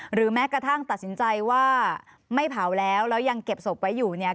หรือแม้กระทั่งตัดสินใจว่าไม่เผาแล้วแล้วยังเก็บศพไว้อยู่เนี่ย